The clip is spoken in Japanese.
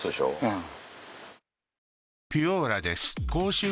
うん。